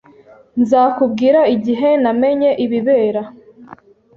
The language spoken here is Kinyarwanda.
Nzakubwira igihe namenye ibibera.